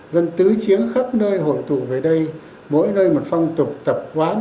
dân tứ chiếng khắp nơi hội tù về đây mỗi nơi một phong tục tập quán